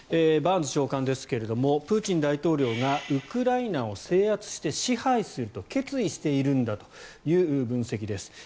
バーンズ長官ですがプーチン大統領がウクライナを制圧して支配すると決意しているんだという分析です。